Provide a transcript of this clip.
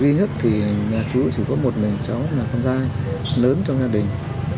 duy nhất thì nhà chú chỉ có một mình cháu là con dai lớn trong gia đình